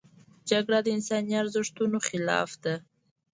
جګړه د انساني ارزښتونو خلاف ده